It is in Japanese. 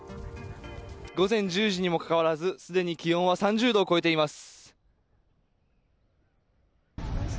午前１０時にもかかわらずすでに気温は３０度を超えています。